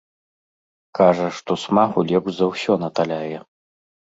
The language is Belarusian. Кажа, што смагу лепш за ўсё наталяе.